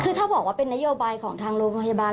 คือถ้าบอกว่าเป็นนโยบายของทางโรงพยาบาล